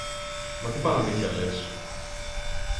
Μα τι παραμύθια λες!